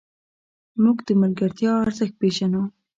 موږ د ملګرتیا ارزښت پېژنو.